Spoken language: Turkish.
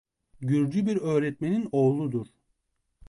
Gürcü bir öğretmenin oğludur.